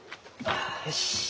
よし。